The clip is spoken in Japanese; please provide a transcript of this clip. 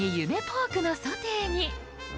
ポークのソテーに。